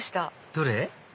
どれ？